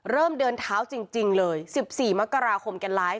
เดินเท้าจริงเลย๑๔มกราคมแกไลฟ์